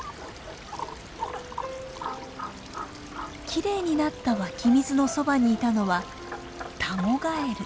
きれいになった湧き水のそばにいたのはタゴガエル。